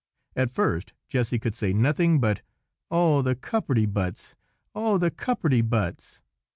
At first, Jessy could say nothing but "Oh! the cupperty buts! oh! the cupperty buts!"